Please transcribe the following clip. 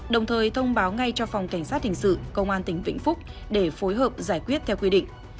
đồng thời thông báo ngay cho phòng cảnh sát hình sự công an tỉnh vĩnh phúc để phối hợp giải quyết theo quy định